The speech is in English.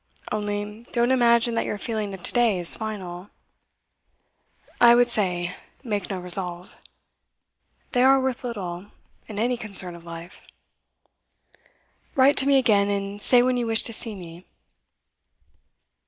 Only, don't imagine that your feeling of to day is final I would say, make no resolve; they are worth little, in any concern of life. 'Write to me again, and say when you wish to see me.